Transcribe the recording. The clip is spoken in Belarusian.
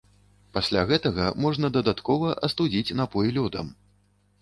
Пасля гэтага можна дадаткова астудзіць напой лёдам.